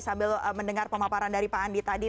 sambil mendengar pemaparan dari pak andi tadi